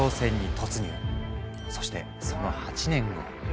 そしてその８年後。